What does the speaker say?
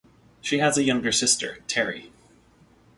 She has a younger sister, Terry.